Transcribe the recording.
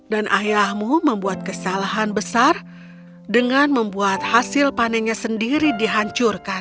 dan ayahmu membuat kesalahan besar dengan membuat hasil panenya sendiri dihancurkan